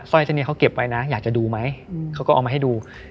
ร้อยเส้นนี้เขาเก็บไว้นะอยากจะดูไหมเขาก็เอามาให้ดู